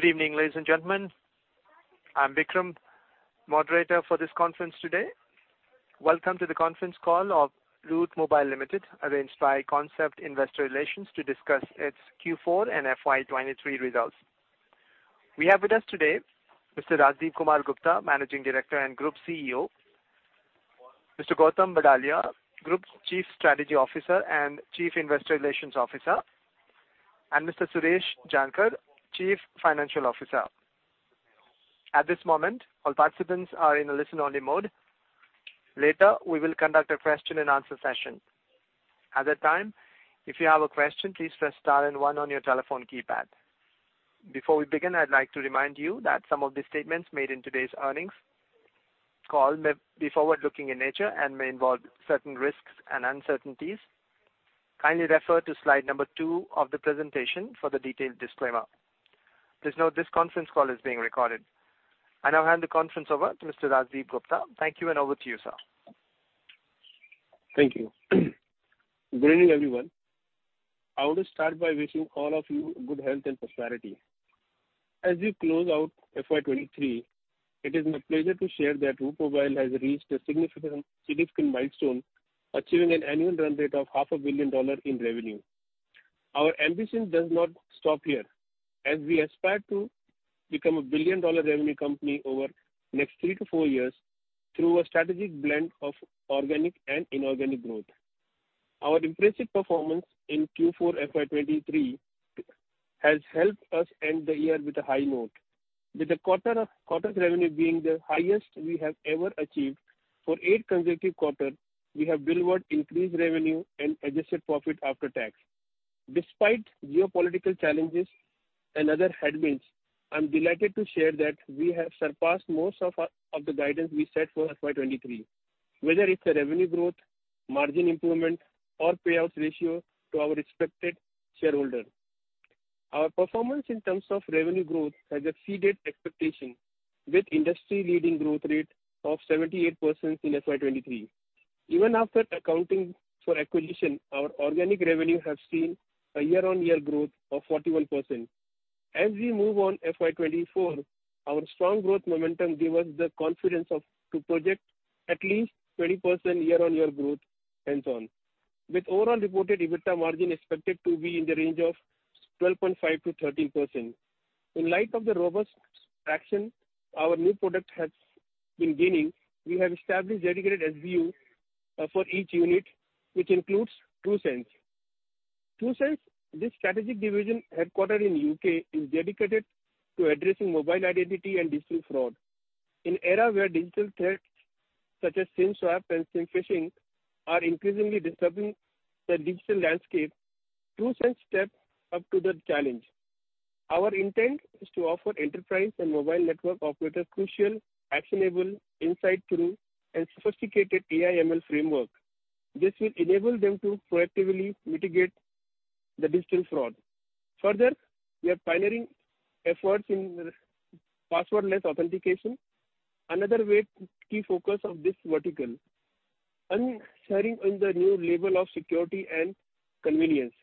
Good evening, ladies and gentlemen. I'm Vikram, moderator for this conference today. Welcome to the conference call of Route Mobile Limited, arranged by Concept Investor Relations to discuss its Q4 and FY 2023 results. We have with us today Mr. Rajdipkumar Gupta, Managing Director and Group CEO, Mr. Gautam Badalia, Group Chief Strategy Officer and Chief Investor Relations Officer, and Mr. Suresh Jankar, Chief Financial Officer. At this moment, all participants are in a listen-only mode. Later, we will conduct a question-and-answer session. At that time, if you have a question, please press star and one on your telephone keypad. Before we begin, I'd like to remind you that some of the statements made in today's earnings call may be forward-looking in nature and may involve certain risks and uncertainties. Kindly refer to slide number two of the presentation for the detailed disclaimer. Please note this conference call is being recorded. I now hand the conference over to Mr. Rajdipkumar Gupta. Thank you, and over to you, sir. Thank you. Good evening, everyone. I want to start by wishing all of you good health and prosperity. As we close out FY 2023, it is my pleasure to share that Route Mobile has reached a significant milestone, achieving an annual run rate of $500 million in revenue. Our ambition does not stop here, as we aspire to become a billion-dollar revenue company over next three to four years through a strategic blend of organic and inorganic growth. Our impressive performance in Q4 FY 2023 has helped us end the year with a high note, with the quarter's revenue being the highest we have ever achieved. For eight consecutive quarter, we have delivered increased revenue and adjusted profit after tax. Despite geopolitical challenges and other headwinds, I'm delighted to share that we have surpassed most of the guidance we set for FY 2023, whether it's a revenue growth, margin improvement, or payouts ratio to our respected shareholder. Our performance in terms of revenue growth has exceeded expectation with industry-leading growth rate of 78% in FY 2023. Even after accounting for acquisition, our organic revenue have seen a year-on-year growth of 41%. We move on FY 2024, our strong growth momentum give us the confidence to project at least 20% year-on-year growth hence on, with overall reported EBITDA margin expected to be in the range of 12.5%-13%. In light of the robust traction our new product has been gaining, we have established dedicated SBU for each unit, which includes TruSense. TruSense, this strategic division headquartered in U.K., is dedicated to addressing mobile identity and digital fraud. In era where digital threats such as SIM swap and SIM phishing are increasingly disrupting the digital landscape, TruSense step up to the challenge. Our intent is to offer enterprise and mobile network operators crucial, actionable insight through a sophisticated AI/ML framework. This will enable them to proactively mitigate the digital fraud. We are pioneering efforts in passwordless authentication, key focus of this vertical, ushering in the new level of security and convenience.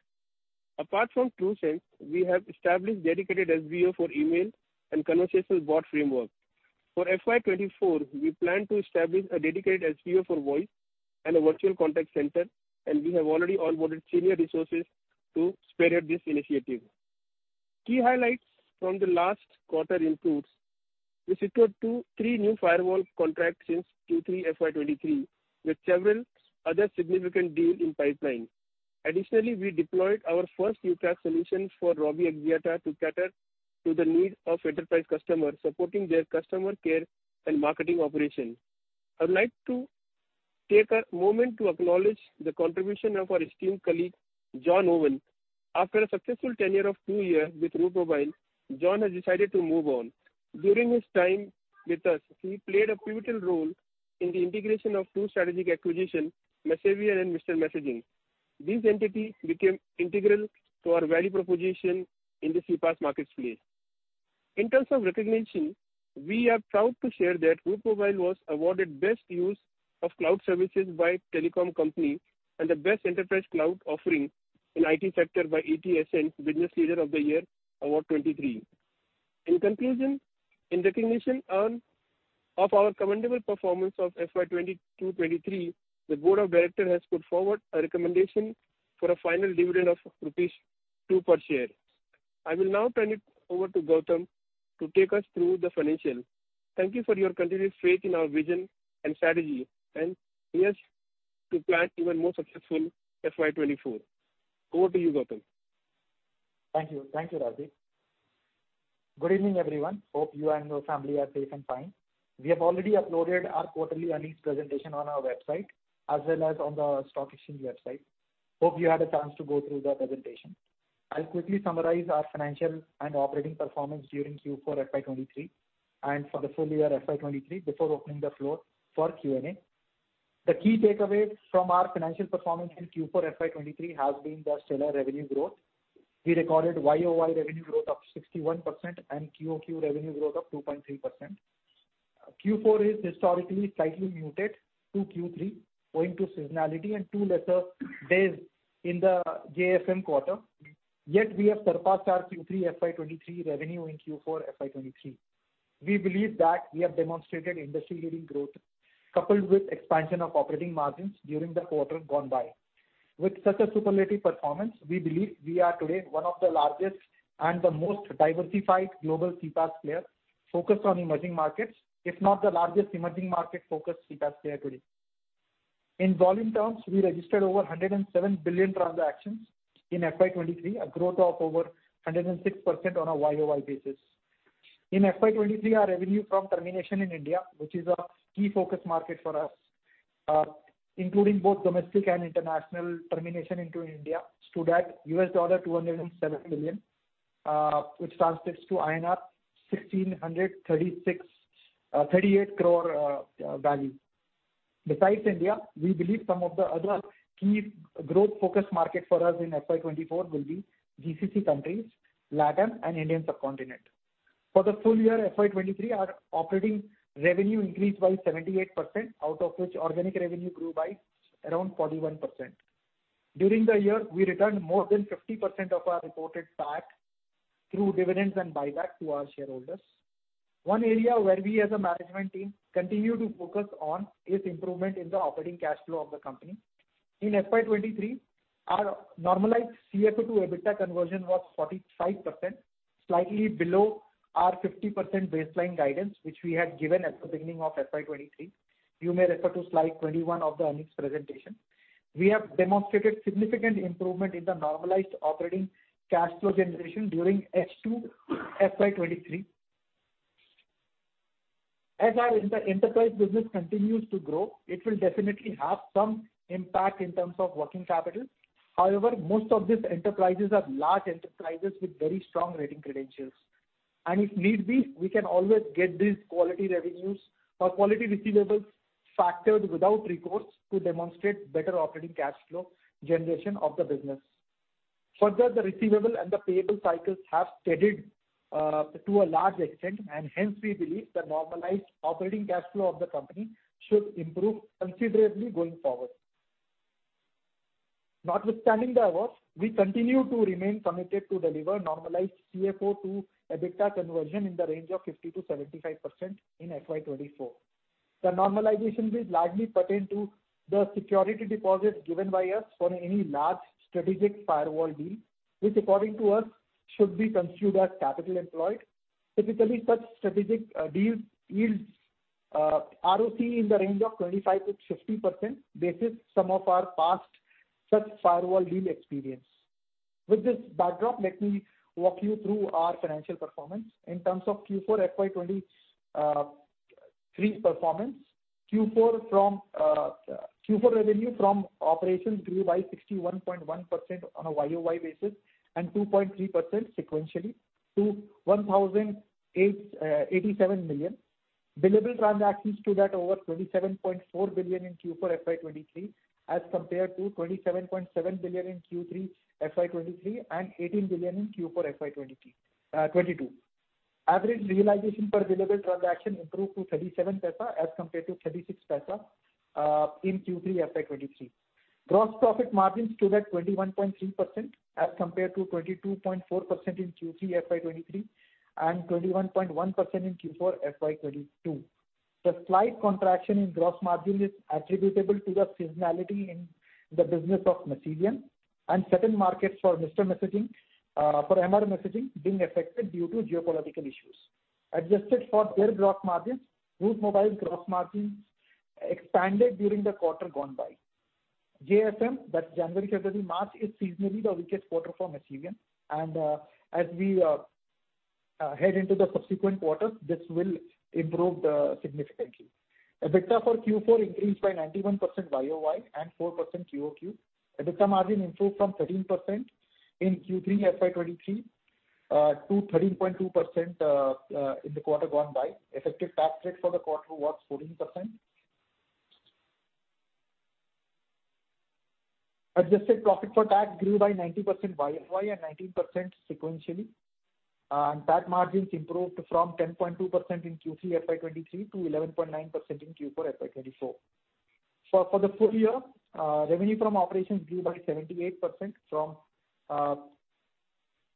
Apart from TruSense, we have established dedicated SBU for email and conversational bot framework. For FY 2024, we plan to establish a dedicated SBU for voice and a virtual contact center, and we have already onboarded senior resources to spear at this initiative. Key highlights from the last quarter includes, we secured three new firewall contracts since Q3 FY 2023, with several other significant deal in pipeline. Additionally, we deployed our first UCaaS solution for Robi Axiata to cater to the needs of enterprise customers, supporting their customer care and marketing operation. I would like to take a moment to acknowledge the contribution of our esteemed colleague, John Owen. After a successful tenure of two year with Route Mobile, John has decided to move on. During his time with us, he played a pivotal role in the integration of two strategic acquisition, Masivian and Mr Messaging. These entity became integral to our value proposition in the CPaaS market space. In terms of recognition, we are proud to share that Route Mobile was awarded Best Use of Cloud Services by a Telecom Company and the Best Enterprise Cloud Offering in IT sector by ET Ascent Business Leader of the Year Awards 2023. In conclusion, in recognition of our commendable performance of FY 2022, 2023, the Board of Director has put forward a recommendation for a final dividend of rupees 2 per share. I will now turn it over to Gautam to take us through the financial. Thank you for your continued faith in our vision and strategy. Here's to plan even more successful FY 2024. Over to you, Gautam. Thank you. Thank you, Rajdip. Good evening, everyone. Hope you and your family are safe and fine. We have already uploaded our quarterly earnings presentation on our website, as well as on the stock exchange website. Hope you had a chance to go through the presentation. I'll quickly summarize our financial and operating performance during Q4 FY 2023 and for the full year FY 2023 before opening the floor for Q&A. The key takeaways from our financial performance in Q4 FY 2023 has been the stellar revenue growth. We recorded YoY revenue growth of 61% and QoQ revenue growth of 2.3%. Q4 is historically slightly muted to Q3 owing to seasonality and two lesser days in the JFM quarter. Yet we have surpassed our Q3 FY 2023 revenue in Q4 FY 2023. We believe that we have demonstrated industry-leading growth coupled with expansion of operating margins during the quarter gone by. With such a superlative performance, we believe we are today one of the largest and the most diversified global CPaaS player focused on emerging markets, if not the largest emerging market-focused CPaaS player today. In volume terms, we registered over 107 billion transactions in FY 2023, a growth of over 106% on a YoY basis. In FY 2023, our revenue from termination in India, which is a key focus market for us, including both domestic and international termination into India, stood at $207 million, which translates to INR 1,638 crore value. Besides India, we believe some of the other key growth focus market for us in FY 2024 will be GCC countries, LATAM, and Indian subcontinent. For the full year FY 2023, our operating revenue increased by 78%, out of which organic revenue grew by around 41%. During the year, we returned more than 50% of our reported PAT through dividends and buyback to our shareholders. One area where we as a management team continue to focus on is improvement in the operating cash flow of the company. In FY 2023, our normalized CFO to EBITDA conversion was 45%, slightly below our 50% baseline guidance, which we had given at the beginning of FY 2023. You may refer to slide 21 of the earnings presentation. We have demonstrated significant improvement in the normalized operating cash flow generation during H2 FY 2023. As our inter-enterprise business continues to grow, it will definitely have some impact in terms of working capital. However, most of these enterprises are large enterprises with very strong rating credentials. If need be, we can always get these quality revenues or quality receivables factored without recourse to demonstrate better operating cash flow generation of the business. The receivable and the payable cycles have steadied to a large extent, and hence we believe the normalized operating cash flow of the company should improve considerably going forward. Notwithstanding the above, we continue to remain committed to deliver normalized CFO to EBITDA conversion in the range of 50%-75% in FY 2024. The normalization will largely pertain to the security deposit given by us for any large strategic firewall deal, which according to us, should be considered as capital employed. Typically, such strategic deals yields ROC in the range of 25%-50%. This is some of our past such firewall deal experience. With this backdrop, let me walk you through our financial performance. In terms of Q4 FY 2023 performance. Q4 revenue from operations grew by 61.1% on a YoY basis and 2.3% sequentially to 1,087 million. Billable transactions stood at over 27.4 billion in Q4 FY 2023 as compared to 27.7 billion in Q3 FY 2023 and 18 billion in Q4 FY 2022. Average realization per billable transaction improved to 0.37 as compared to 0.36 in Q3 FY 2023. Gross profit margins stood at 21.3% as compared to 22.4% in Q3 FY 2023 and 21.1% in Q4 FY 2022. The slight contraction in gross margin is attributable to the seasonality in the business of Masivian and certain markets for Mr Messaging, for Mr Messaging being affected due to geopolitical issues. Adjusted for their gross margins, Route Mobile gross margins expanded during the quarter gone by. JFM, that January, February, March is seasonally the weakest quarter for Masivian. As we head into the subsequent quarters, this will improve significantly. EBITDA for Q4 increased by 91% YoY and 4% QoQ. EBITDA margin improved from 13% in Q3 FY 2023 to 13.2% in the quarter gone by. Effective tax rate for the quarter was 14%. Adjusted profit for tax grew by 90% YoY and 19% sequentially. Tax margins improved from 10.2% in Q3 FY 2023 to 11.9% in Q4 FY 2024. For the full year, revenue from operations grew by 78% from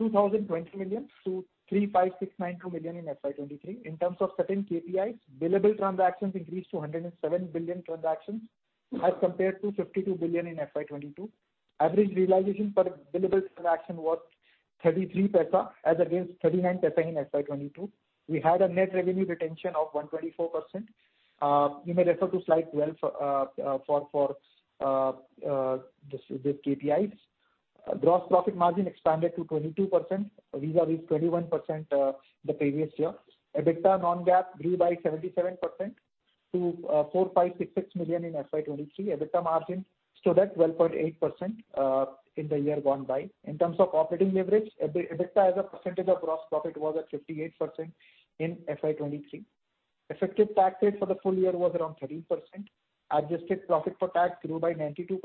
2,020 million to 35,692 million in FY 2023. In terms of certain KPIs, billable transactions increased to 107 billion transactions as compared to 52 billion in FY 2022. Average realization per billable transaction was 0.33 as against 0.39 in FY 2022. We had a net revenue retention of 124%. You may refer to slide 12 for these KPIs. Gross profit margin expanded to 22% vis-à-vis 21% the previous year. EBITDA non-GAAP grew by 77% to 4,566 million in FY 2023. EBITDA margin stood at 12.8% in the year gone by. In terms of operating leverage, EBITDA as a percentage of gross profit was at 58% in FY 2023. Effective tax rate for the full year was around 13%. Adjusted profit for tax grew by 92%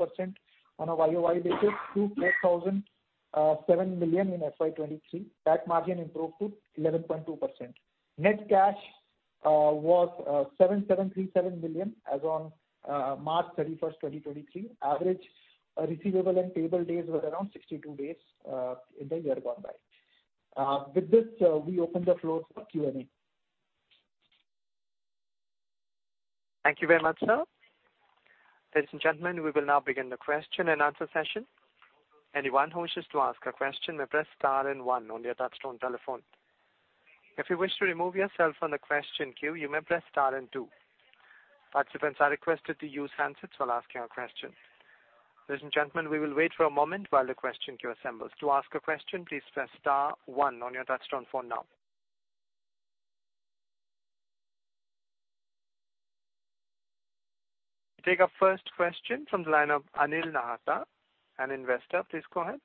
on a YoY basis to 4,007 million in FY 2023. That margin improved to 11.2%. Net cash was 7,737 million as on March 31, 2023. Average receivable and payable days were around 62 days in the year gone by. With this, we open the floor for Q&A. Thank you very much, sir. Ladies and gentlemen, we will now begin the question-and-answer session. Anyone who wishes to ask a question may press star and one on your touch-tone telephone. If you wish to remove yourself from the question queue, you may press star and two. Participants are requested to use handsets while asking a question. Ladies and gentlemen, we will wait for a moment while the question queue assembles. To ask a question, please press star one on your touch-tone phone now. We take our first question from the line of Anil Nahata, an investor. Please go ahead.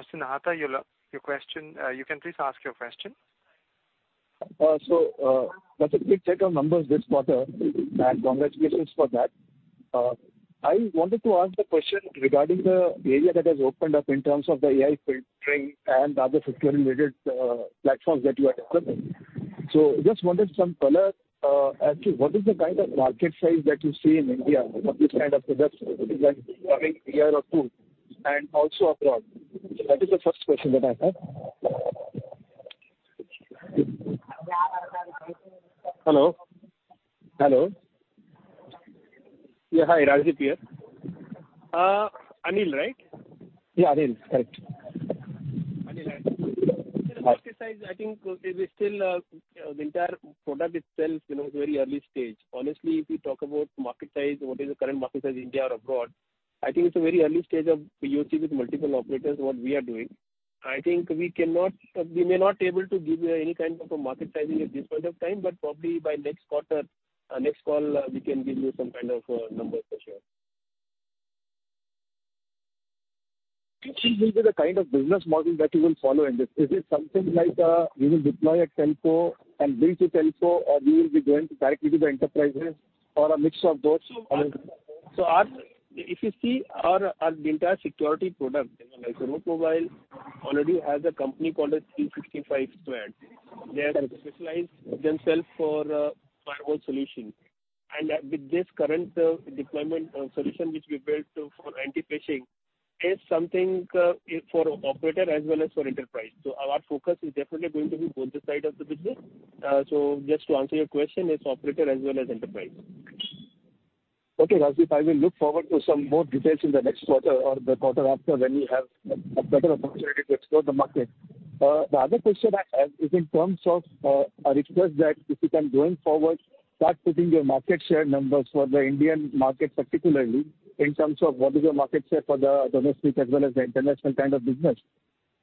Mr. Nahata, your question, you can please ask your question. That's a quick set of numbers this quarter, and congratulations for that. I wanted to ask a question regarding the area that has opened up in terms of the AI filtering and other security related platforms that you are developing. Just wanted some color, actually, what is the kind of market size that you see in India for this kind of products which are coming year or two, and also abroad? That is the first question that I have. Hello? Hello? Yeah. Hi, Rajdip here. Anil, right? Yeah, Anil. Correct. Anil, hi. Hi. The market size, I think we still, the entire product itself, you know, is very early stage. Honestly, if you talk about market size, what is the current market size India or abroad, I think it's a very early stage of POC with multiple operators, what we are doing. I think we cannot, we may not able to give you any kind of a market sizing at this point of time, but probably by next quarter, next call, we can give you some kind of, numbers for sure. Which will be the kind of business model that you will follow in this? Is it something like, you will deploy a telco and bring to telco or you will be going directly to the enterprises or a mix of those? If you see our entire security product, you know, like Route Mobile already has a company called 365squared. They have specialized themselves for firewall solution. With this current deployment solution which we built for anti-phishing is something it for operator as well as for enterprise. Our focus is definitely going to be both the side of the business. Just to answer your question, it's operator as well as enterprise. Okay, Rajdip. I will look forward to some more details in the next quarter or the quarter after when you have a better opportunity to explore the market. The other question I have is in terms of a request that if you can, going forward, start putting your market share numbers for the Indian market, particularly in terms of what is your market share for the domestic as well as the international kind of business.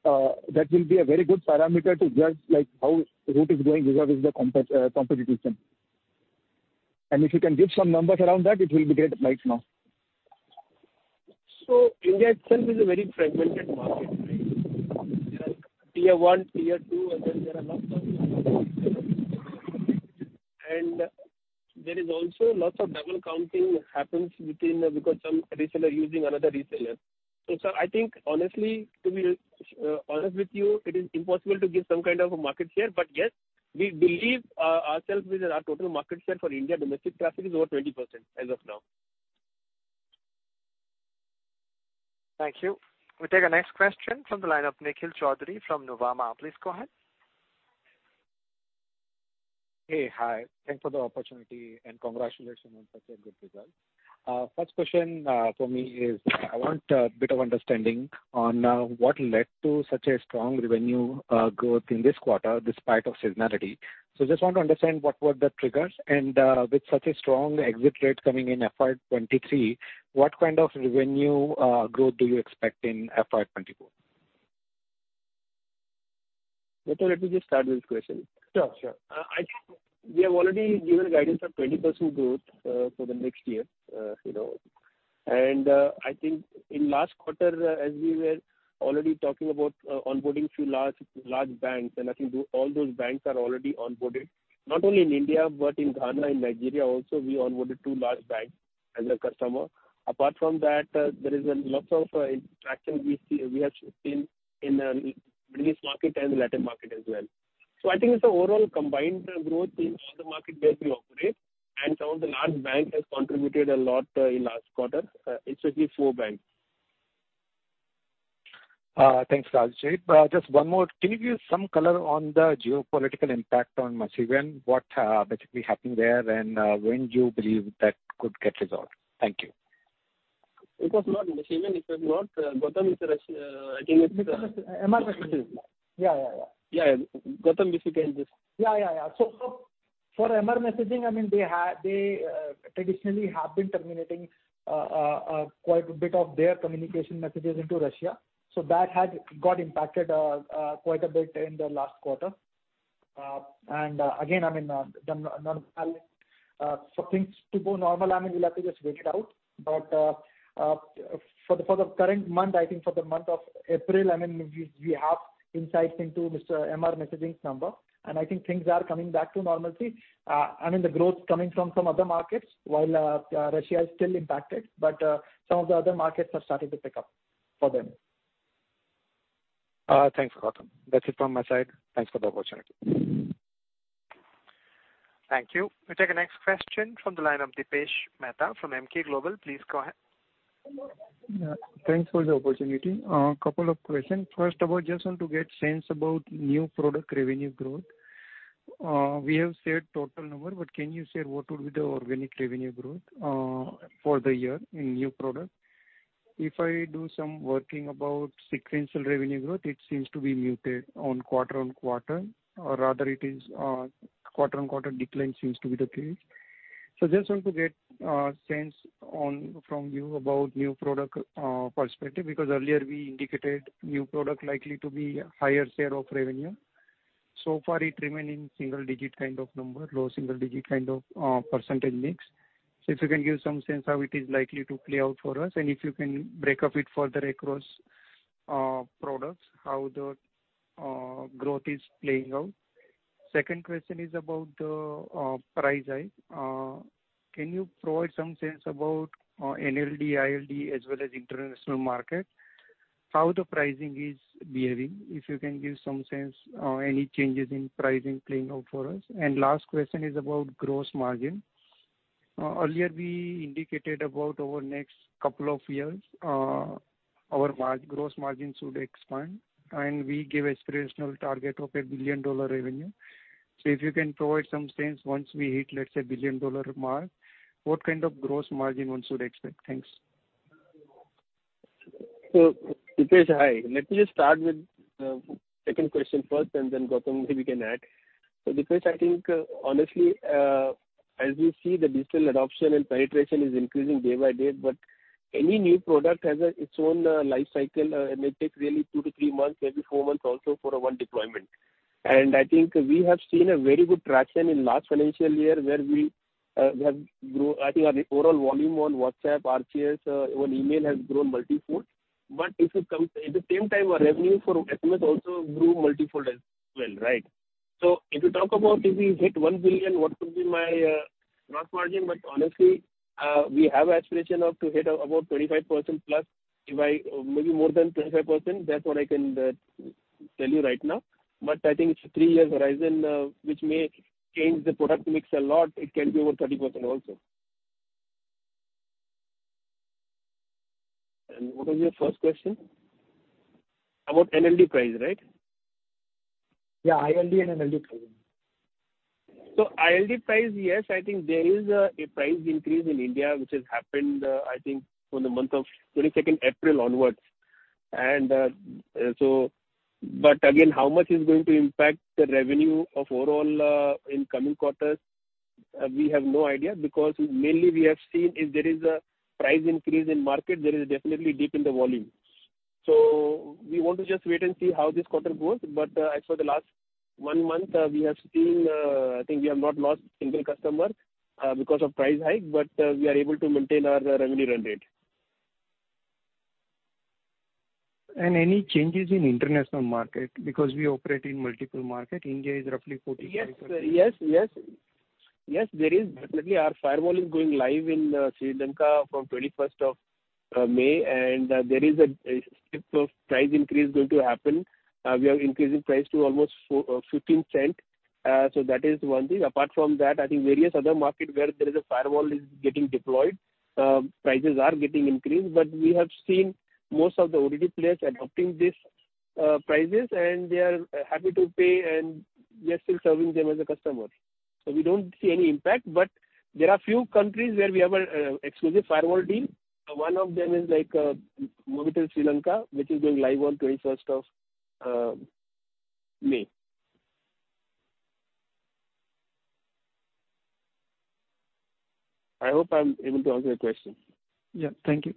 That will be a very good parameter to judge like how Route is doing vis-à-vis the competition. If you can give some numbers around that, it will be great right now. India itself is a very fragmented market, right? There are Tier 1, Tier 2, and then there is also lots of double counting happens between, because some reseller using another reseller. I think honestly, to be honest with you, it is impossible to give some kind of a market share. Yes, we believe ourselves with our total market share for India domestic traffic is over 20% as of now. Thank you. We take our next question from the line of Nikhil Choudhary from Nuvama. Please go ahead. Hey. Hi. Thanks for the opportunity and congratulations on such a good result. First question from me is I want a bit of understanding on what led to such a strong revenue growth in this quarter despite of seasonality. Just want to understand what were the triggers and with such a strong exit rates coming in FY 2023, what kind of revenue growth do you expect in FY 2024? Nikhil, let me just start with this question. Sure. I think we have already given guidance of 20% growth for the next year. you know. I think in last quarter, as we were already talking about, onboarding few large banks, and I think all those banks are already onboarded, not only in India but in Ghana, in Nigeria also we onboarded two large banks as a customer. Apart from that, there is an lots of traction we have seen in Middle East market and Latin market as well. I think it's the overall combined growth in all the market where we operate, and some of the large bank has contributed a lot in last quarter, especially four banks. Thanks, Rajdip. Just one more. Can you give some color on the geopolitical impact on Masivian? What basically happened there and when do you believe that could get resolved? Thank you. It was not Masivian. It was not. Gautam is I think it's- Mr Messaging. Yeah, yeah. Yeah. Gautam, if you can. Yeah, yeah. For Mr Messaging, I mean, they traditionally have been terminating quite a bit of their communication messages into Russia. That had got impacted quite a bit in the last quarter. Again, I mean. For things to go normal, I mean, we'll have to just wait it out. For the current month, I think for the month of April, I mean, we have insights into Mr. Messaging's number. I think things are coming back to normalcy. I mean, the growth coming from some other markets, while Russia is still impacted, some of the other markets have started to pick up for them. Thanks, Gautam. That's it from my side. Thanks for the opportunity. Thank you. We take the next question from the line of Dipesh Mehta from Emkay Global. Please go ahead. Thanks for the opportunity. A couple of questions. First of all, just want to get sense about new product revenue growth. We have shared total number, but can you share what would be the organic revenue growth for the year in new product? If I do some working about sequential revenue growth, it seems to be muted on quarter-on-quarter, or rather it is quarter-on-quarter decline seems to be the case. Just want to get sense on from you about new product perspective, because earlier we indicated new product likely to be higher share of revenue. So far it remain in single-digit kind of number, low single-digit kind of percentage mix. If you can give some sense how it is likely to play out for us, and if you can break up it further across products, how the growth is playing out. Second question is about the price hike. Can you provide some sense about NLD, ILD, as well as international market, how the pricing is behaving? If you can give some sense, any changes in pricing playing out for us. Last question is about gross margin. Earlier we indicated about over next couple of years, our gross margin should expand, and we give aspirational target of a billion-dollar revenue. If you can provide some sense, once we hit, let's say, billion-dollar mark, what kind of gross margin one should expect? Thanks. Dipesh, hi. Let me just start with second question first, and then, Gautam, maybe you can add. Dipesh, I think, honestly, as you see, the digital adoption and penetration is increasing day by day. Any new product has its own life cycle. It takes really two to three months, maybe four months also for a one deployment. I think we have seen a very good traction in last financial year where we, I think our overall volume on WhatsApp, RCS, even email has grown multifold. If you come, at the same time, our revenue for SMS also grew multifold as well, right? If you talk about if we hit one billion, what could be my gross margin? Honestly, we have aspiration to hit about 25%+. If I, maybe more than 25%. That's what I can tell you right now. I think it's a three-year horizon, which may change the product mix a lot. It can be over 30% also. What was your first question? About NLD price, right? Yeah, ILD and NLD pricing. ILD price, yes. I think there is a price increase in India, which has happened, I think, from the month of 22nd April onwards. Again, how much is going to impact the revenue of overall, in coming quarters, we have no idea. Because mainly we have seen if there is a price increase in market, there is definitely dip in the volume. We want to just wait and see how this quarter goes. As for the last one month, we have seen, I think we have not lost single customer because of price hike, but we are able to maintain our revenue run rate. Any changes in international market? We operate in multiple market. India is roughly 45%. Yes, there is. Definitely. Our firewall is going live in Sri Lanka from 21st of May. There is a steep of price increase going to happen. We are increasing price to almost $0.15. That is one thing. Apart from that, I think various other market where there is a firewall is getting deployed, prices are getting increased. We have seen most of the OTT players adopting these prices, and they are happy to pay, and we are still serving them as a customer. We don't see any impact. There are few countries where we have a exclusive firewall deal. One of them is, like, Mobitel in Sri Lanka, which is going live on 21st of May. I hope I'm able to answer your question. Yeah. Thank you.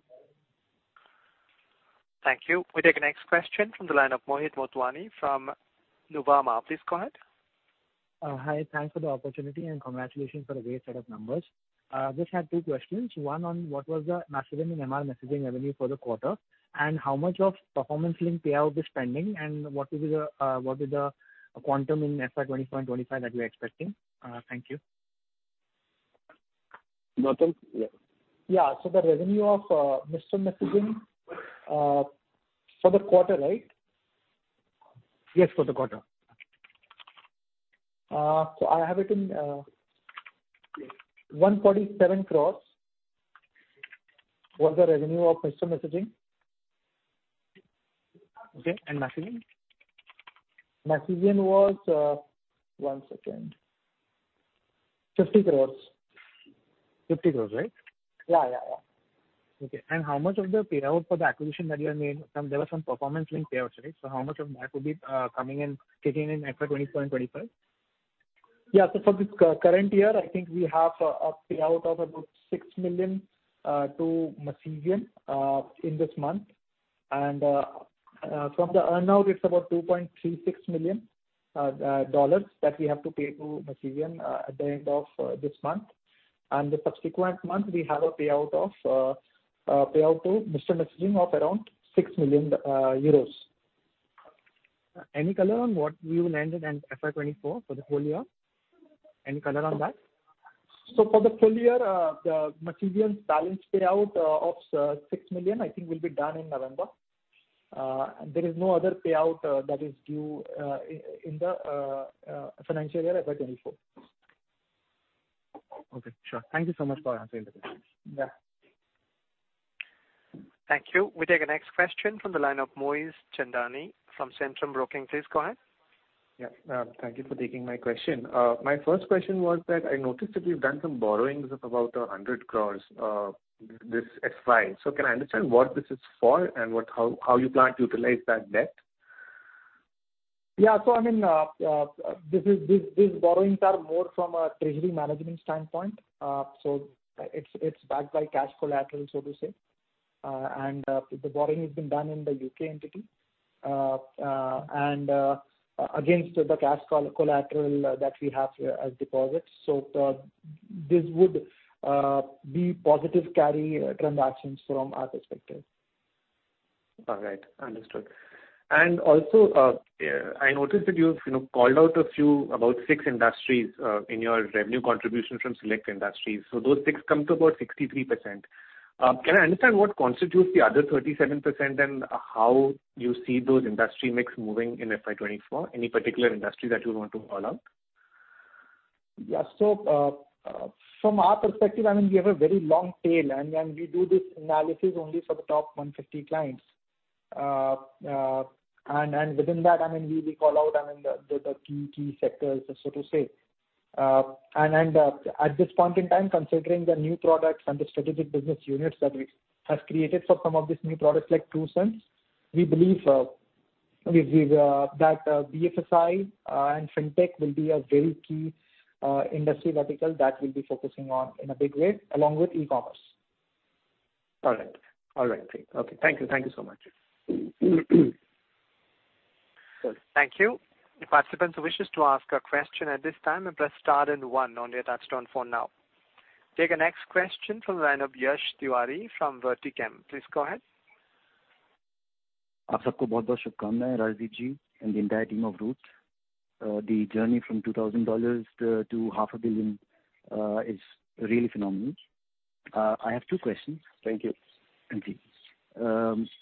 Thank you. We take the next question from the line of Mohit Motwani from Nuvama. Please go ahead. Hi. Thanks for the opportunity, and congratulations for a great set of numbers. Just had two questions. One on what was the Masivian and Mr Messaging revenue for the quarter, and how much of performance link payout is pending, and what is the quantum in FY 2024 and 2025 that you're expecting? Thank you. Gautam? Yeah. Yeah. The revenue of Mr Messaging for the quarter, right? Yes, for the quarter. I have it in 147 crores was the revenue of Mr Messaging. Okay. Masivian? Masivian was, one second, 50 crores. 50 crores, right? Yeah. Okay. How much of the payout for the acquisition that you have made from... There were some performance link payouts, right? How much of that would be coming in, kicking in FY 2024 and 2025? Current year, I think we have a payout of about $6 million to Masivian in this month. And from the earn-out, it's about $2.36 million that we have to pay to Masivian at the end of this month. And the subsequent month, we have a payout to Mr. Messaging of around 6 million euros Any color on what you will end in in FY 2024 for the whole year? Any color on that? For the full year, the Masivian's balance payout of 6 million I think will be done in November. There is no other payout that is due in the financial year FY 2024. Okay. Sure. Thank you so much for answering the questions. Yeah. Thank you. We take the next question from the line of Moez Chandani from Centrum Broking. Please go ahead. Yeah. thank you for taking my question. my first question was that I noticed that you've done some borrowings of about 100 crore this FY. Can I understand how you plan to utilize that debt? Yeah. I mean, this is, these borrowings are more from a treasury management standpoint. It's backed by cash collateral, so to say. And the borrowing has been done in the U.K. entity. And against the cash collateral that we have as deposits. This would be positive carry transactions from our perspective. All right. Understood. Also, I noticed that you've, you know, called out a few, about six industries, in your revenue contribution from select industries. Those six come to about 63%. Can I understand what constitutes the other 37% and how you see those industry mix moving in FY 2024? Any particular industry that you want to call out? From our perspective, we have a very long tail and we do this analysis only for the top 150 clients. Within that, we call out the key sectors. At this point in time, considering the new products and the strategic business units that we have created for some of these new products like TruSense, we believe that BFSI and FinTech will be a very key industry vertical that we'll be focusing on in a big way, along with e-commerce. All right. Great. Okay. Thank you. Thank you so much. Sure. Thank you. If participants wishes to ask a question at this time, press star then one on your touchtone phone now. Take the next question from the line of Yash Tiwari from Vertichem. Please go ahead. The entire team of Route. The journey from $2,000 to half a billion is really phenomenal. I have two questions. Thank you. Thank you.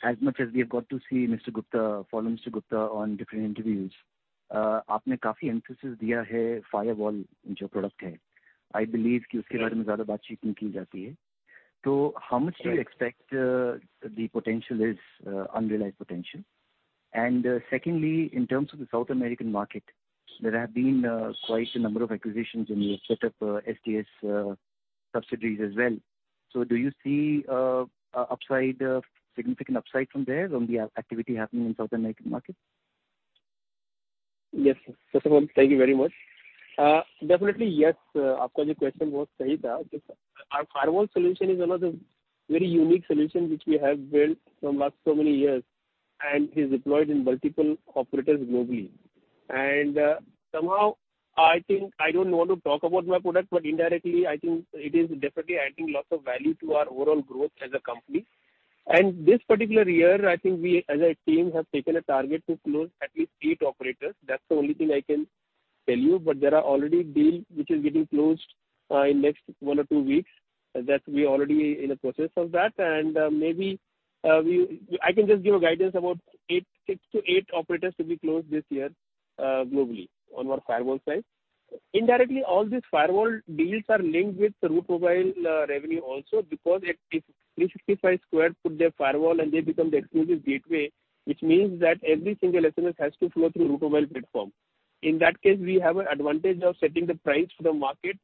As much as we have got to see Mr. Gupta, follow Mr. Gupta on different interviews, firewall product. I believe. How much do you expect the potential is, unrealized potential? Secondly, in terms of the South American market, there have been quite a number of acquisitions, and you've set up STS subsidiaries as well. Do you see a upside, significant upside from there from the activity happening in South American market? Yes. First of all, thank you very much. Definitely, yes. Our firewall solution is another very unique solution which we have built from last so many years and is deployed in multiple operators globally. Somehow I think I don't want to talk about my product, but indirectly I think it is definitely adding lots of value to our overall growth as a company. This particular year, I think we as a team have taken a target to close at least eight operators. That's the only thing I can tell you. There are already deal which is getting closed in next one or two weeks. That we already in a process of that. Maybe, I can just give a guidance about six to eight operators to be closed this year globally on our firewall side. Indirectly, all these firewall deals are linked with Route Mobile revenue also because if 365squared put their firewall and they become the exclusive gateway, which means that every single SMS has to flow through Route Mobile platform. In that case, we have an advantage of setting the price for the market.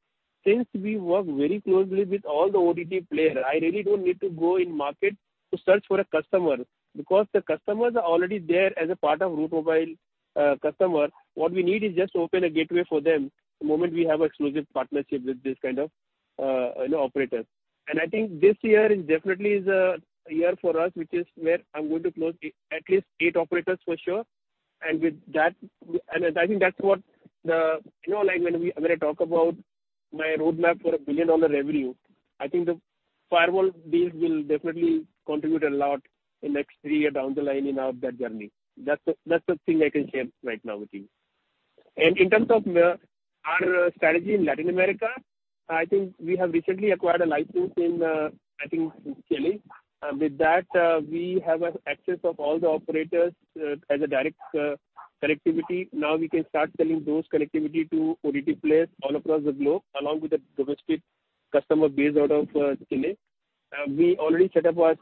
Since we work very closely with all the OTT player, I really don't need to go in market to search for a customer because the customers are already there as a part of Route Mobile customer. What we need is just open a gateway for them the moment we have exclusive partnership with this kind of, you know, operators. I think this year is definitely is a year for us, which is where I'm going to close at least eight operators for sure. With that, I think that's what the... You know, like when I talk about my roadmap for a billion-dollar revenue, I think the firewall deals will definitely contribute a lot in next three year down the line in our, that journey. That's the thing I can share right now with you. In terms of our strategy in Latin America, I think we have recently acquired a license in I think in Chile. With that, we have an access of all the operators, as a direct connectivity. Now we can start selling those connectivity to OTT players all across the globe, along with the domestic customer base out of Chile. We already set up our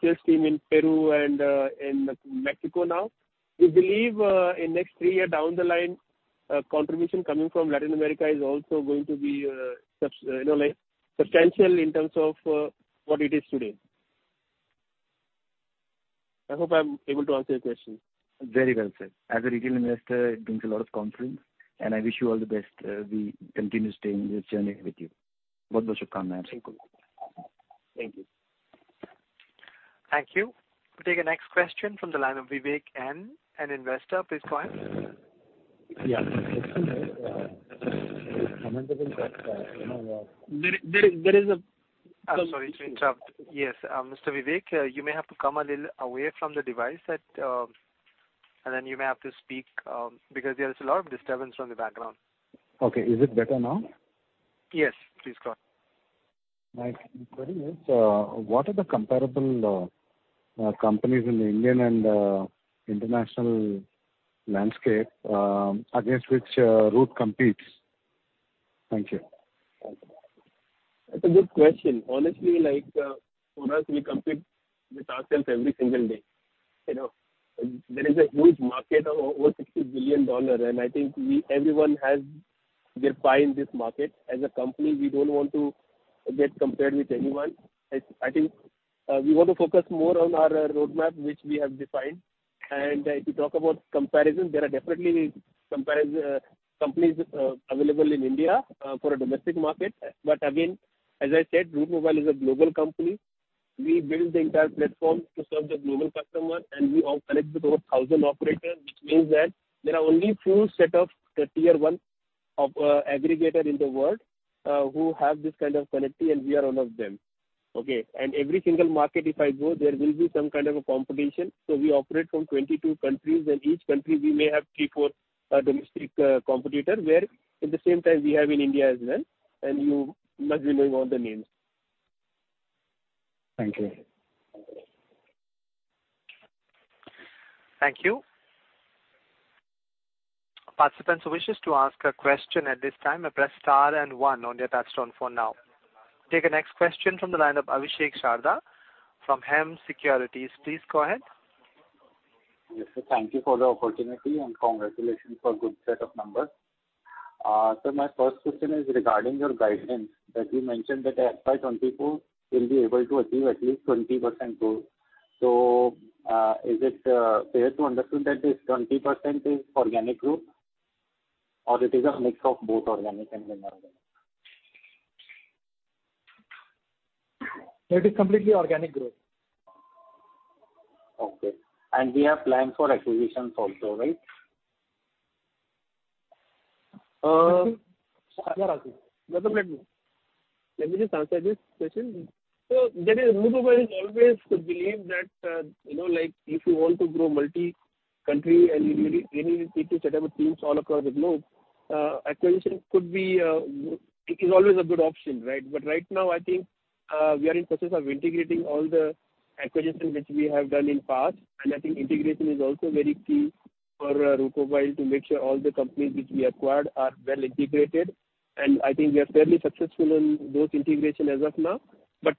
sales team in Peru and in Mexico now. We believe, in next three year down the line, contribution coming from Latin America is also going to be, you know, like substantial in terms of, what it is today. I hope I'm able to answer your question. Very well, sir. As a retail investor, it brings a lot of confidence. I wish you all the best. We continue staying this journey with you. Thank you. Thank you. We'll take the next question from the line of Vivek N., an investor. Please go ahead. Yeah. I'm sorry to interrupt. Yes, Mr. Vivek, you may have to come a little away from the device that. Then you may have to speak, because there is a lot of disturbance from the background. Okay. Is it better now? Yes, please go on. My query is, what are the comparable companies in the Indian and international landscape, against which, Route competes? Thank you. That's a good question. Honestly, like, for us, we compete with ourselves every single day. You know, there is a huge market of over $60 billion. I think everyone has their pie in this market. As a company, we don't want to get compared with anyone. I think we want to focus more on our roadmap, which we have defined. If you talk about comparison, there are definitely comparison companies available in India for a domestic market. Again, as I said, Route Mobile is a global company. We build the entire platform to serve the global customer. We are connected with over 1,000 operators, which means that there are only few set of the Tier 1 aggregator in the world who have this kind of connectivity. We are one of them. Okay? Every single market, if I go, there will be some kind of a competition. We operate from 22 countries. In each country, we may have three, four domestic competitor, where at the same time we have in India as well, and you must be knowing all the names. Thank you. Thank you. Participants who wishes to ask a question at this time may press star and one on their touch-tone phone now. We take the next question from the line of Abhishek Sharda from Hem Securities. Please go ahead. Yes, sir. Thank you for the opportunity. Congratulations for good set of numbers. My first question is regarding your guidance that you mentioned that FY 2024 will be able to achieve at least 20% growth. Is it fair to understand that this 20% is organic growth, or it is a mix of both organic and inorganic? It is completely organic growth. Okay. We have plans for acquisitions also, right? Sharda, I think. Let me just answer this question. Route Mobile has always believed that, you know, like if you want to grow multi-country and you really need to set up teams all across the globe, acquisition could be, it is always a good option, right? Right now, I think, we are in process of integrating all the acquisitions which we have done in past. I think integration is also very key for Route Mobile to make sure all the companies which we acquired are well integrated. I think we are fairly successful in those integration as of now.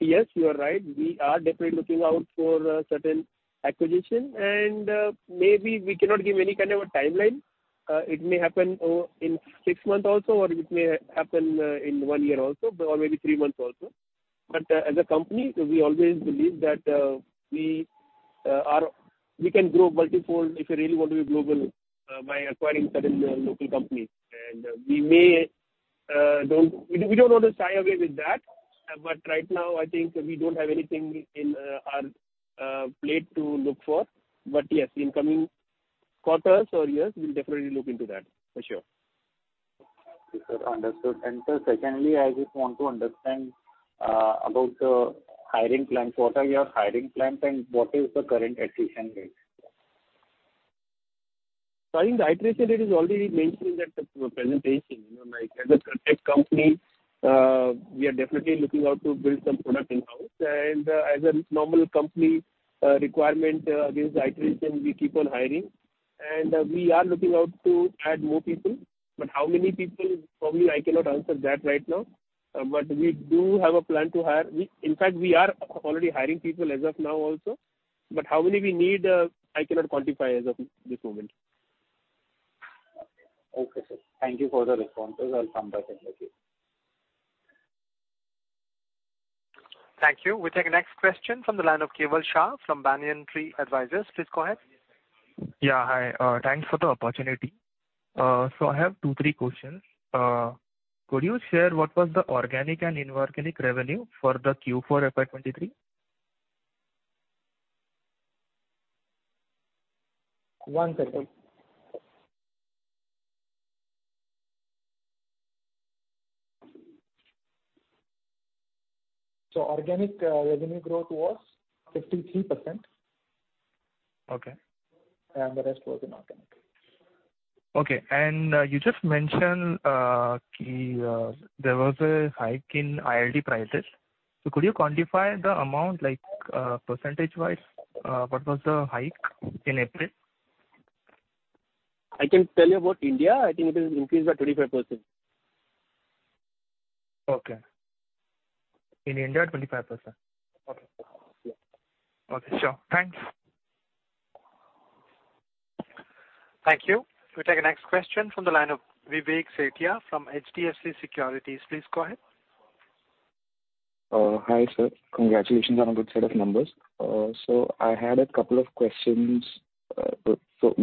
Yes, you are right. We are definitely looking out for certain acquisition, and maybe we cannot give any kind of a timeline. It may happen in six months also, or it may happen in one year also, or maybe three months also. As a company, we always believe that we can grow multifold if we really want to be global by acquiring certain local companies. We may We don't want to shy away with that. Right now, I think we don't have anything in our plate to look for. Yes, in coming quarters or years, we'll definitely look into that for sure. Okay, sir. Understood. Sir, secondly, I just want to understand about the hiring plans. What are your hiring plans and what is the current attrition rate? I think the attrition, it is already mentioned that the presentation, you know, like as a tech company, we are definitely looking out to build some product in-house. As a normal company, requirement against attrition, we keep on hiring. We are looking out to add more people. How many people? Probably I cannot answer that right now. We do have a plan to hire. In fact, we are already hiring people as of now also. How many we need, I cannot quantify as of this moment. Okay. Okay, sir. Thank you for the responses. I'll come back if required. Thank you. We take the next question from the line of Keval Shah from Banyan Tree Advisors. Please go ahead. Yeah, hi. Thanks for the opportunity. I have two, three questions. Could you share what was the organic and inorganic revenue for the Q4 FY 2023? One second. organic revenue growth was 53%. Okay. The rest was inorganic. Okay. You just mentioned, there was a hike in ILD prices. Could you quantify the amount, like, percentage-wise? What was the hike in April? I can tell you about India. I think it is increased by 25%. Okay. In India, 25%. Okay. Yeah. Okay, sure. Thanks. Thank you. We take the next question from the line of Vivek Sethia from HDFC Securities. Please go ahead. Hi, sir. Congratulations on a good set of numbers. I had a couple of questions.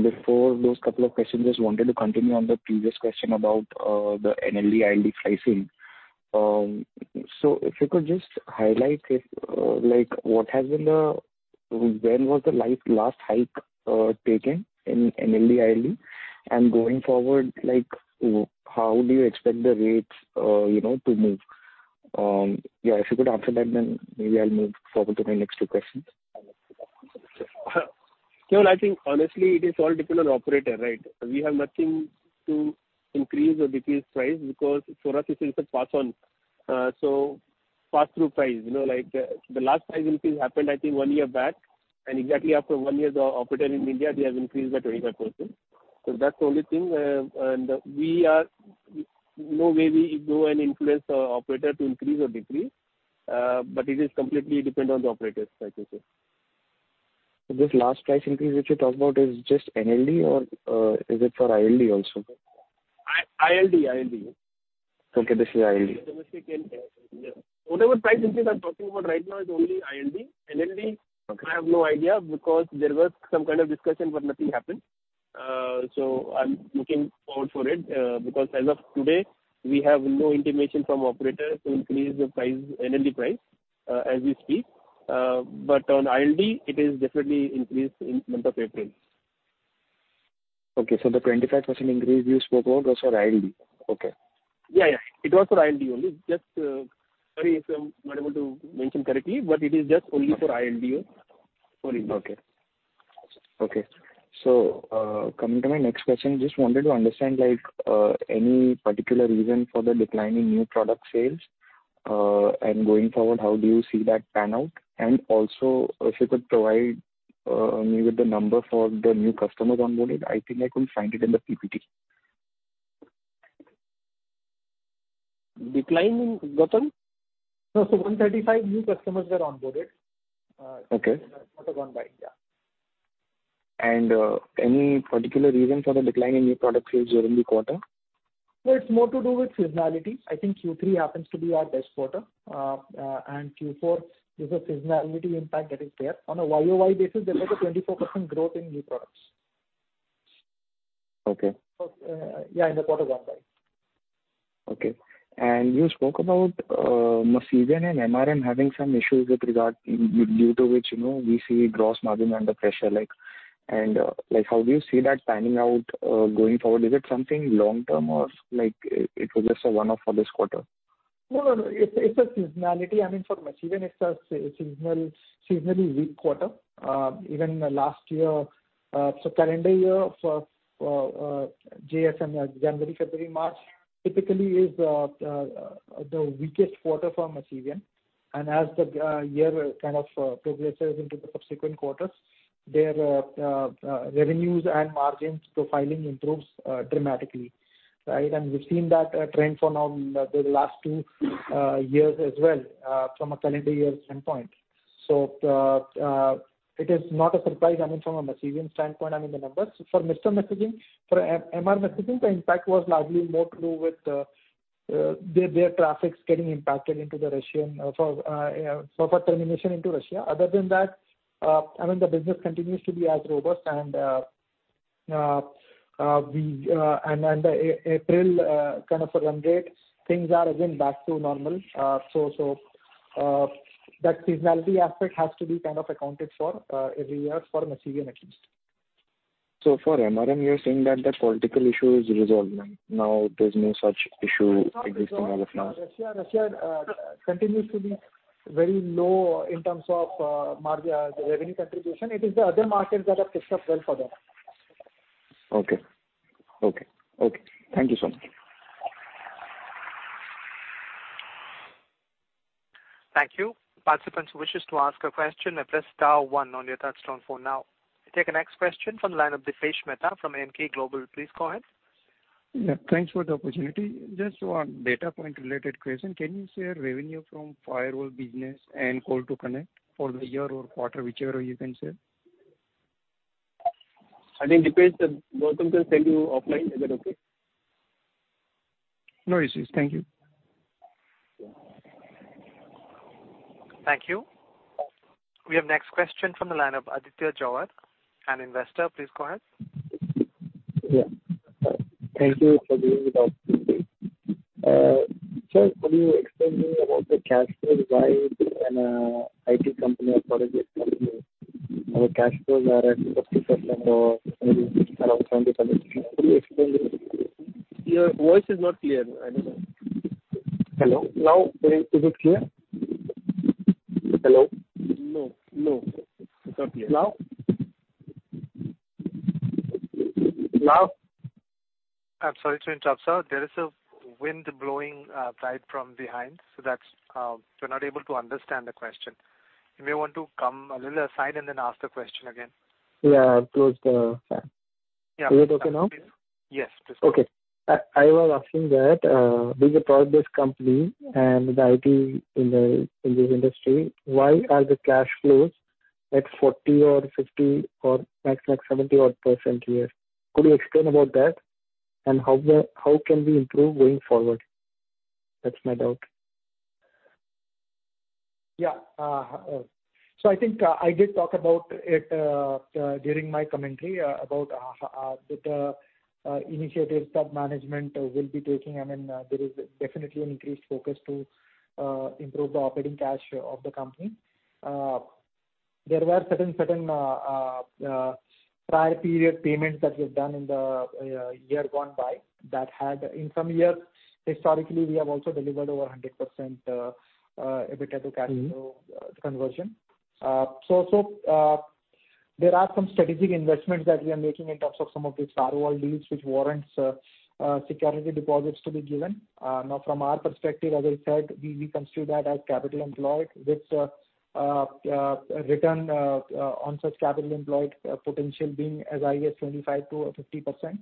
Before those couple of questions, just wanted to continue on the previous question about the NLD, ILD pricing. If you could just highlight if, like, what has been the last hike taken in NLD, ILD? Going forward, like, how do you expect the rates, you know, to move? Yeah, if you could answer that, then maybe I'll move forward to my next two questions. Sure. I think honestly it all depends on operator, right? We have nothing to increase or decrease price because for us it is a pass-on. Pass-through price. You know, like, the last price increase happened I think one year back, and exactly after one year the operator in India, he has increased by 25%. That's the only thing. No way we go and influence our operator to increase or decrease, but it completely depends on the operators, like you said. This last price increase which you talk about, is just NLD or is it for ILD also? ILD. Okay, this is ILD. Domestic ILD, yeah. Whatever price increase I'm talking about right now is only ILD. Okay. I have no idea because there was some kind of discussion, but nothing happened. I'm looking forward for it, because as of today, we have no intimation from operators to increase the price, NLD price, as we speak. On ILD it is definitely increased in month of April. Okay. The 25% increase you spoke about was for ILD. Okay. Yeah, yeah. It was for ILD only. Just Sorry if I'm not able to mention correctly, but it is just only for ILD only for India. Okay. Coming to my next question, just wanted to understand, like, any particular reason for the decline in new product sales? going forward, how do you see that pan out? if you could provide, me with the number for the new customers onboarded. I think I couldn't find it in the PPT. Declining, Gautam? No. 135 new customers were onboarded. Okay. Quarter gone by, yeah. Any particular reason for the decline in new product sales during the quarter? No, it's more to do with seasonality. I think Q3 happens to be our best quarter. Q4 is a seasonality impact that is there. On a YoY basis, there's like a 24% growth in new products. Okay. Yeah, in the quarter gone by. Okay. You spoke about Masivian and MRM having some issues with regard, due to which, you know, we see gross margin under pressure, like. How do you see that panning out, going forward? Is it something long-term or, like, it was just a one-off for this quarter? No, no. It's a seasonality. For Masivian it's a seasonally weak quarter. Even last year, so calendar year for JFM, January, February, March, typically is the weakest quarter for Masivian. As the year kind of progresses into the subsequent quarters, their revenues and margins profiling improves dramatically, right? We've seen that trend for now the last two years as well from a calendar year standpoint. It is not a surprise from a Masivian standpoint, the numbers. For Mr Messaging, the impact was largely more to do with their traffics getting impacted into Russia. For, you know, for termination into Russia. Other than that, I mean, the business continues to be as robust. April, kind of a run rate, things are again back to normal. That seasonality aspect has to be kind of accounted for, every year for Masivian at least. For MRM, you're saying that the political issue is resolved now. Now there's no such issue existing as of now. Russia continues to be very low in terms of the revenue contribution. It is the other markets that have picked up well for them. Okay. -Thank you so much. Thank you. Participants who wishes to ask a question, press star one on your touch-tone phone now. We take the next question from the line of Dipesh Mehta from Emkay Global. Please go ahead. Yeah, thanks for the opportunity. Just one data point related question. Can you share revenue from firewall business and Call 2 Connect for the year or quarter, whichever you can share? I think, Deepesh, Gautam can send you offline. Is that okay? No issues. Thank you. Thank you. We have next question from the line of Aditya Jhawar, an investor. Please go ahead. Thank you for giving the opportunity. Sir, could you explain me about the cash flows? Why when an IT company or product-based company, our cash flows are at 50% or maybe around 70%? Could you explain me? Your voice is not clear. I don't know. Hello. Now is it clear? Hello? No. No. It's not clear. Now? I'm sorry to interrupt, sir. There is a wind blowing right from behind, so that's. We're not able to understand the question. If you want to come a little aside and then ask the question again. Yeah, I've closed the fan. Yeah. Is it okay now? Yes. It's okay. Okay. I was asking that, being a product-based company and with IT in this industry, why are the cash flows at 40% or 50% or maximum 70% odd here? Could you explain about that? How can we improve going forward? That's my doubt. Yeah. I think I did talk about it during my commentary about the initiatives that management will be taking. I mean, there is definitely an increased focus to improve the operating cash of the company. There were certain prior period payments that we have done in the year gone by. In some years, historically, we have also delivered over 100% EBITDA to cash flow conversion. There are some strategic investments that we are making in terms of some of these firewall deals which warrants security deposits to be given. Now, from our perspective, as I said, we consider that as capital employed with a return on such capital employed, potential being as high as 25%-50%.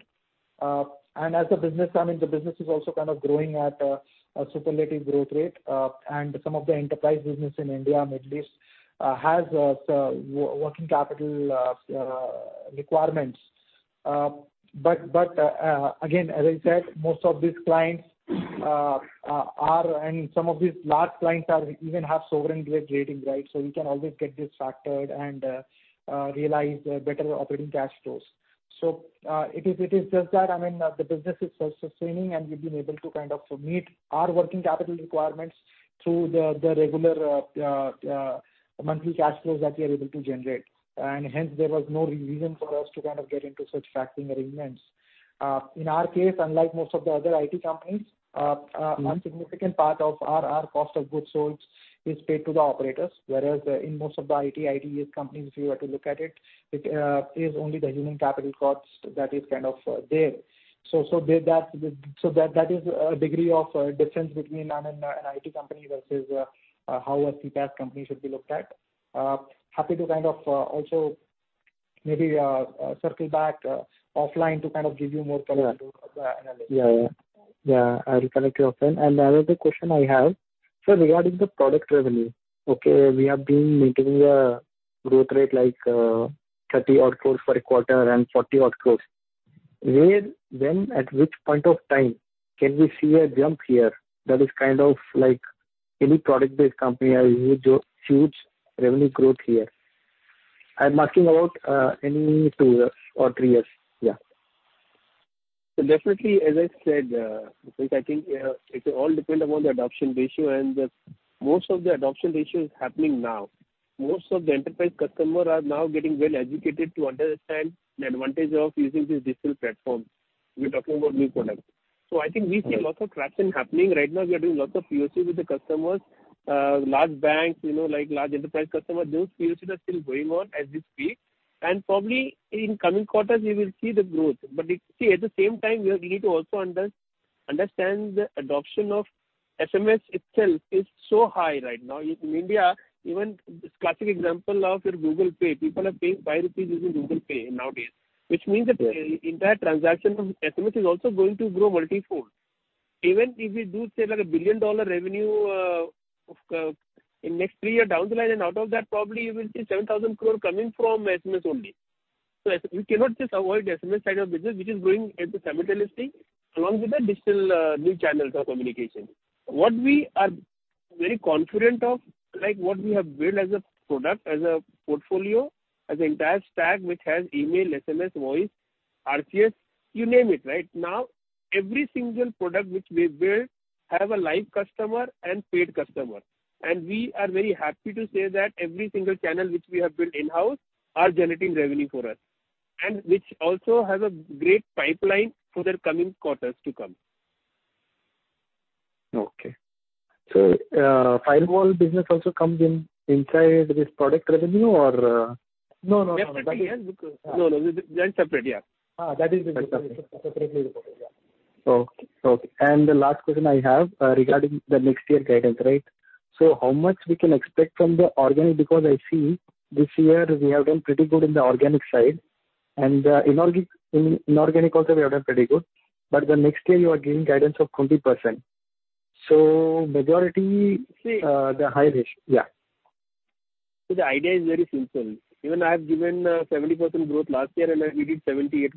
As a business, I mean, the business is also kind of growing at a superlative growth rate. Some of the enterprise business in India, Middle East, has so working capital requirements. Again, as I said, most of these clients are and some of these large clients even have sovereign grade rating, right? We can always get this factored and realize better operating cash flows. it is just that, I mean, the business is self-sustaining, and we've been able to kind of meet our working capital requirements through the regular monthly cash flows that we are able to generate. Hence, there was no reason for us to kind of get into such factoring arrangements. In our case, unlike most of the other IT companies. A significant part of our cost of goods sold is paid to the operators, whereas in most of the IT, ITeS companies, if you were to look at it pays only the human capital costs that is kind of there. That is a degree of difference between an IT company versus how a CPaaS company should be looked at. Happy to kind of also maybe circle back offline to kind of give you more color to the analysis. Yeah. I'll connect you offline. The other question I have, so regarding the product revenue. Okay, we have been maintaining a growth rate like, 30 odd crores for a quarter and 40 odd crores. Where, when, at which point of time can we see a jump here that is kind of like any product-based company has huge revenue growth here? I'm asking about, any two years or three years. Yeah. Definitely, as I said, because I think, it all depend upon the adoption ratio and the most of the adoption ratio is happening now. Most of the enterprise customer are now getting well-educated to understand the advantage of using this digital platform. We're talking about new product. Okay. Lots of traction happening. Right now we are doing lots of POC with the customers. Large banks, you know, like large enterprise customers, those POCs are still going on as we speak. Probably in coming quarters we will see the growth. See, at the same time, we need to also understand the adoption of SMS itself is so high right now. In India, even this classic example of your Google Pay, people are paying 5 rupees using Google Pay nowadays. Which means that- Yeah. The entire transaction of SMS is also going to grow multi-fold. Even if we do say like a billion-dollar revenue in next three years down the line, and out of that probably we'll see 7,000 crore coming from SMS only. We cannot just avoid the SMS side of business, which is growing at the same realistic along with the digital new channels of communication. What we are very confident of, like what we have built as a product, as a portfolio, as an entire stack which has email, SMS, voice, RCS, you name it, right? Every single product which we've built have a live customer and paid customer. We are very happy to say that every single channel which we have built in-house are generating revenue for us, and which also has a great pipeline for the coming quarters to come. Okay. firewall business also comes in inside this product revenue or? No, no. That is- Definitely, yeah. Yeah. No, no. That's separate, yeah. Uh, that is- Th at's separate. -separately reported. Okay. The last question I have, regarding the next year guidance? How much we can expect from the organic? Because I see this year we have done pretty good in the organic side and in inorganic also we have done pretty good. The next year you are giving guidance of 20%. Majority- See- the high ratio. Yeah. The idea is very simple. Even I have given 70% growth last year, and then we did 78%,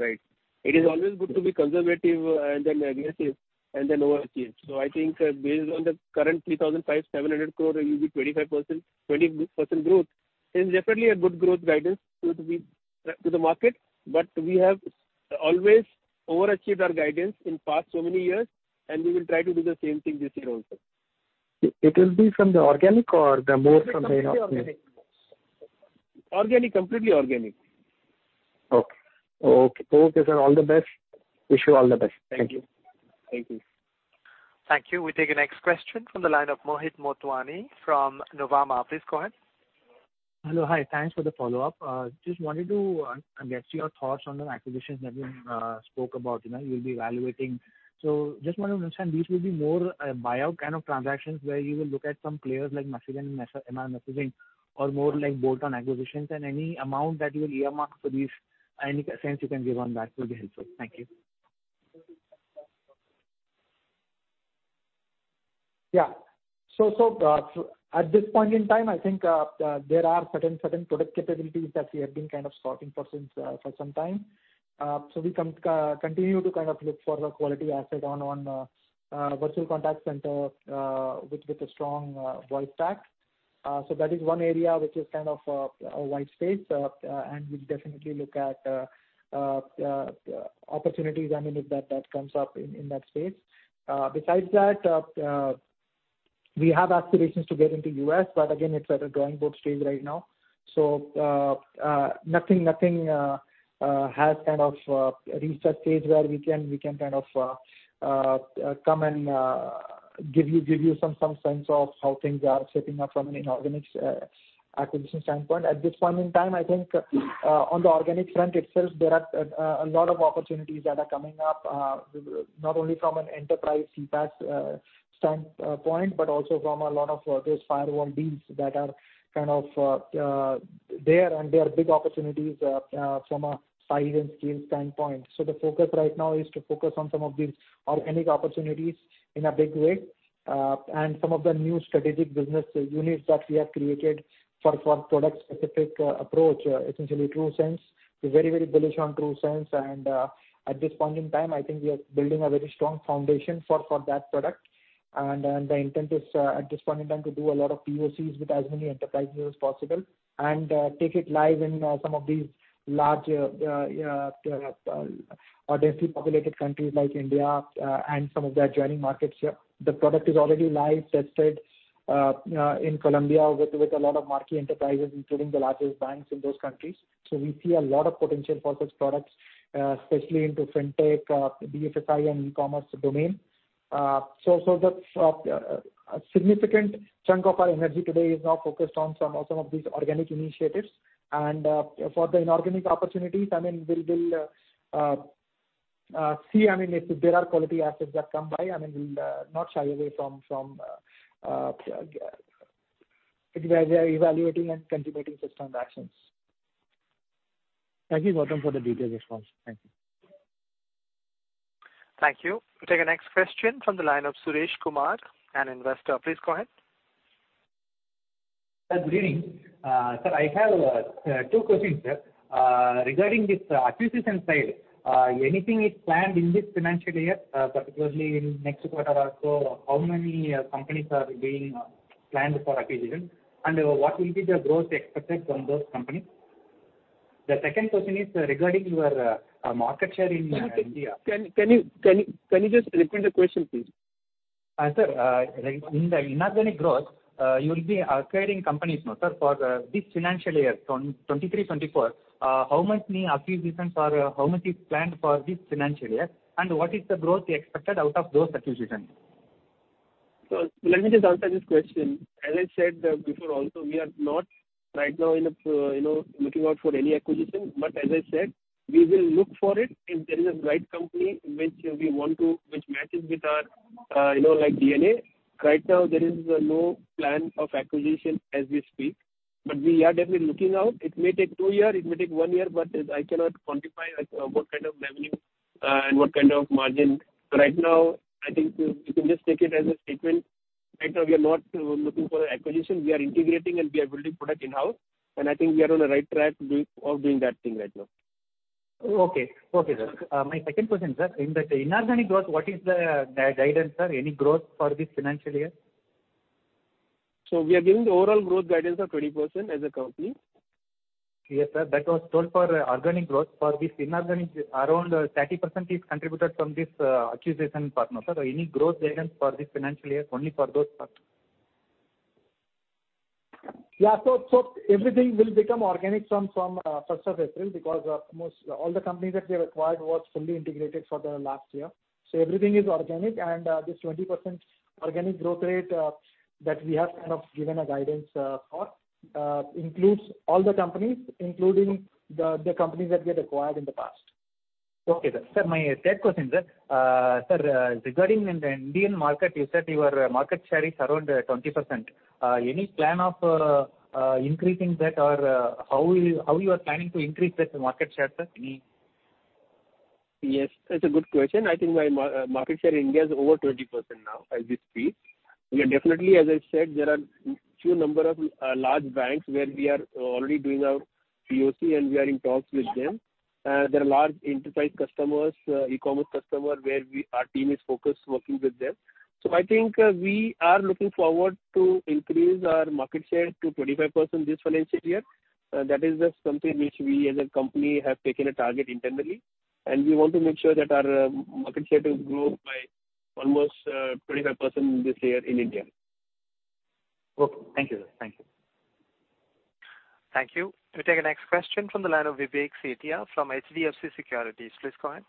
right? It is always good to be conservative, and then aggressive, and then overachieve. I think, based on the current 3,005, 700 crore, it will be 25%-20% growth. It is definitely a good growth guidance to the market, but we have always overachieved our guidance in past so many years, and we will try to do the same thing this year also. It will be from the organic or the more from. Organic. Completely organic. Okay, sir. All the best. Wish you all the best. Thank you. Thank you. Thank you. We take the next question from the line of Mohit Motwani from Nuvama. Please go ahead. Hello. Hi. Thanks for the follow-up. Just wanted to get your thoughts on the acquisitions that you spoke about. You know, you'll be evaluating. Just want to understand, these will be more a buyout kind of transactions where you will look at some players like Masivian, Mr Messaging or more like bolt-on acquisitions and any amount that you will earmark for these. Any sense you can give on that will be helpful. Thank you. Yeah. At this point in time, I think, there are certain product capabilities that we have been kind of sorting for since, for some time. We continue to kind of look for a quality asset on, virtual contact center, with a strong, voice pack. That is one area which is kind of, a wide space. We'll definitely look at, opportunities, I mean, if that comes up in that space. Besides that, we have aspirations to get into U.S., but again, it's at a drawing board stage right now. Nothing has kind of reached that stage where we can kind of come and give you some sense of how things are shaping up from an inorganic acquisition standpoint. At this point in time, I think, on the organic front itself, there are a lot of opportunities that are coming up, not only from an enterprise CPaaS standpoint, but also from a lot of those firewall deals that are kind of there, and they are big opportunities from a size and scale standpoint. The focus right now is to focus on some of these organic opportunities in a big way. Some of the new strategic business units that we have created for product-specific approach, essentially TruSense. We're very, very bullish on TruSense. At this point in time, I think we are building a very strong foundation for that product. Then the intent is at this point in time to do a lot of POCs with as many enterprises as possible, and take it live in some of these large densely populated countries like India, and some of their adjoining markets. The product is already live tested in Colombia with a lot of marquee enterprises, including the largest banks in those countries. We see a lot of potential for such products, especially into FinTech, BFSI and e-commerce domain. That's a significant chunk of our energy today is now focused on some of these organic initiatives. For the inorganic opportunities, I mean, we'll see, I mean, if there are quality assets that come by, I mean, we'll not shy away from evaluating and contemplating such transactions. Thank you, Gautam, for the detailed response. Thank you. Thank you. We take the next question from the line of Suresh Kumar, an investor. Please go ahead. Good evening. Sir, I have, two questions, sir. Regarding this acquisition side, anything is planned in this financial year, particularly in next quarter or so? How many, companies are being, planned for acquisition? What will be the growth expected from those companies? The second question is regarding your, market share in India. Can you just repeat the question, please? Sir, in the inorganic growth, you will be acquiring companies now, sir, for this financial year, 2023-2024. How much new acquisitions or how much is planned for this financial year, and what is the growth expected out of those acquisitions? Let me just answer this question. As I said, before also, we are not right now in a, you know, looking out for any acquisition. As I said, we will look for it if there is a right company which matches with our, you know, like DNA. Right now there is no plan of acquisition as we speak. We are definitely looking out. It may take two year, it may take 1 year, but I cannot quantify, like, what kind of revenue and what kind of margin. Right now, I think you can just take it as a statement. Right now, we are not looking for acquisition. We are integrating and we are building product in-house, and I think we are on the right track of doing that thing right now. Okay. Okay, sir. My second question, sir. In the inorganic growth, what is the guidance, sir? Any growth for this financial year? we are giving the overall growth guidance of 20% as a company. Yes, sir. That was told for organic growth. For this inorganic, around 30% is contributed from this acquisition partner, sir. Any growth guidance for this financial year only for those partners? Everything will become organic from first of April because all the companies that we acquired was fully integrated for the last year. Everything is organic. This 20% organic growth rate that we have kind of given a guidance for includes all the companies, including the companies that we had acquired in the past. Okay, sir. Sir, my third question, sir. Sir, regarding in the Indian market, you said your market share is around 20%. Any plan of, increasing that or, how you are planning to increase that market share, sir? Yes, that's a good question. I think my market share in India is over 20% now as we speak. We are definitely, as I said, there are few number of large banks where we are already doing our POC and we are in talks with them. There are large enterprise customers, e-commerce customer where we, our team is focused working with them. I think we are looking forward to increase our market share to 25% this financial year. That is something which we as a company have taken a target internally, and we want to make sure that our market share to grow by almost 25% this year in India. Okay. Thank you, sir. Thank you. Thank you. We take the next question from the line of Vivek Sethia from HDFC Securities. Please go ahead.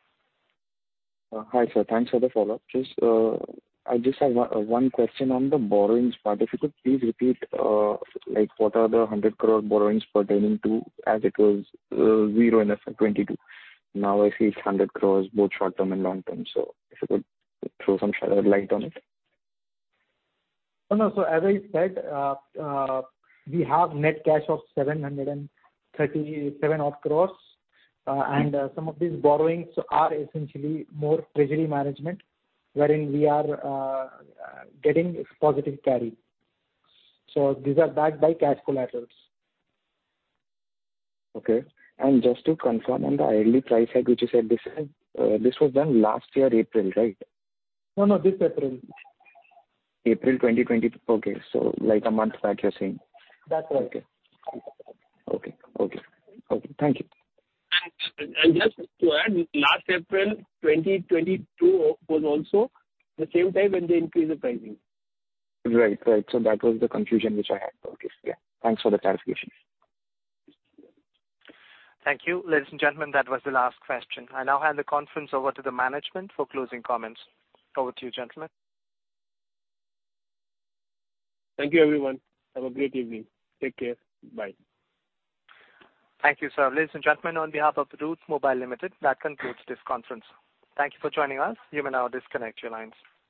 Hi, sir. Thanks for the follow-up. I just have one question on the borrowings part. If you could please repeat, like what are the 100 crore borrowings pertaining to as it was zero in FY 2022. Now I see it's 100 crore, both short term and long term. If you could throw some light on it. No, no. As I said, we have net cash of 737 odd crores. Some of these borrowings are essentially more treasury management, wherein we are getting positive carry. These are backed by cash collaterals. Okay. just to confirm on the ILD price hike, which you said this was done last year April, right? No, this April. April 2020. Okay. Like a month back, you're saying? That's right. Okay. Okay. Okay. Okay. Thank you. Just to add, last April 2022 was also the same time when they increased the pricing. Right. Right. That was the confusion which I had. Okay. Yeah. Thanks for the clarification. Thank you. Ladies and gentlemen, that was the last question. I now hand the conference over to the management for closing comments. Over to you, gentlemen. Thank you, everyone. Have a great evening. Take care. Bye. Thank you, sir. Ladies and gentlemen, on behalf of Route Mobile Limited, that concludes this conference. Thank you for joining us. You may now disconnect your lines.